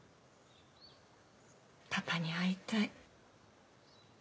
「パパに会いたい」。